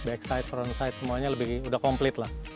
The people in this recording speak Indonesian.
back side front side semuanya lebih udah komplit lah